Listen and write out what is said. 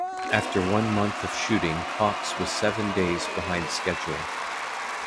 After one month of shooting Hawks was seven days behind schedule.